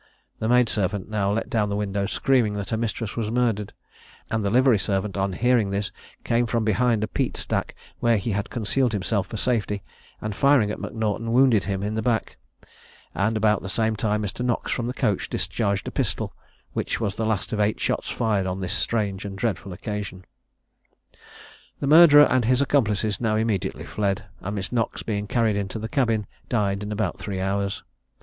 The maid servant now let down the window, screaming that her mistress was murdered; and the livery servant on hearing this came from behind a peat stack, where he had concealed himself for safety, and firing at M'Naughton, wounded him in the back; and about the same time Mr. Knox from the coach discharged a pistol, which was the last of eight shots fired on this strange and dreadful occasion. The murderer and his accomplices now immediately fled; and Miss Knox being carried into the cabin, died in about three hours.